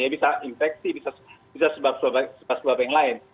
bisa infeksi bisa sebab sebab yang lain